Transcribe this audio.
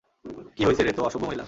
কি হইছে রে তো অসভ্য মহিলা?